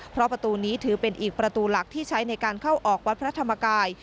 เพราะประตูนี้ถือเป็นอีกประตูหลักที่ใช้ในการเข้าออกวัดพระธรรมกาย